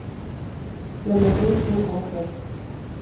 Le Mesnil-sur-Oger